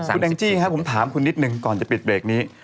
คุณแองจี้ครับผมถามคุณนิดหนึ่งก่อนจะปิดเบรกนี้